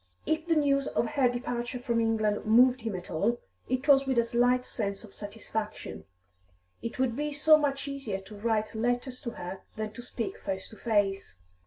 If the news of her departure from England moved him at all, it was with a slight sense of satisfaction; it would be so much easier to write letters to her than to speak face to face.